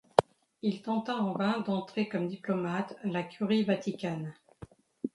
Il tenta en vain d’entrer comme diplomate à la Curie vaticane.